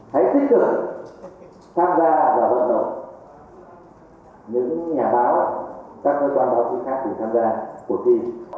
hãy tích cực tham gia và vận động những nhà báo các cơ quan báo chí khác cùng tham gia cuộc thi